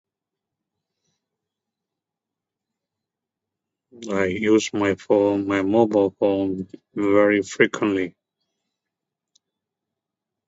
I use my phone, my mobile phone very frequently